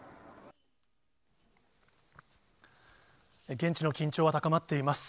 現地の緊張は高まっています。